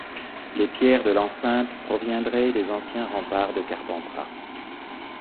Les pierres de l'enceinte proviendraient des anciens remparts de Carpentras.